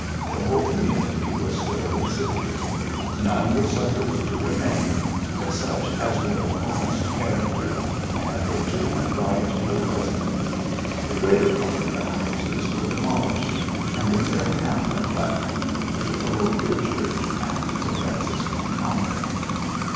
The whole community was thoroughly sifted ; none were suffered to remain but such" as were of honest character and had legitimate right to a residence ; the greater part of the houses were demolished, and a mere hamlat left, with the parochial church and the Franciscan convent.